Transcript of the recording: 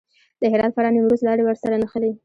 د هرات، فراه، نیمروز لارې ورسره نښلي.